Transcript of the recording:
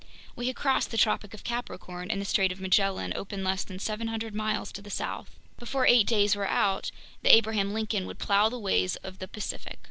We had crossed the Tropic of Capricorn, and the Strait of Magellan opened less than 700 miles to the south. Before eight days were out, the Abraham Lincoln would plow the waves of the Pacific.